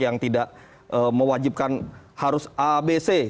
yang tidak mewajibkan harus a b c